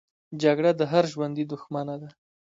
جګړه د هر ژوندي دښمنه ده